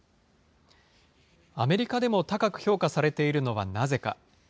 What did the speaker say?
アメリカでも高く評価されているのはなぜか。